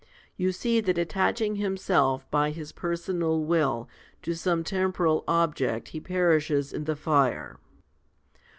You see that attaching himself by his personal will to some temporal object he perishes in the fire.